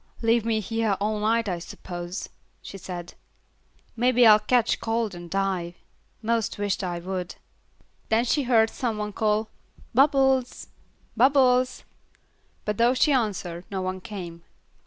"Leave me hyah all night I s'pose," she said, "mebbe I'll ketch cold and die; 'most wisht I would." Then she heard some one call "Bubbles, Bubbles," but though she answered, no one came.